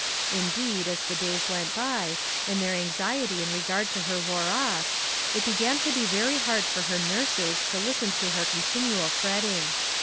Indeed, as the days went by, and their anxiety in regard to her wore off, it began to be very hard for her nurses to listen to her continual fretting.